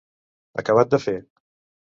Acabat de fer.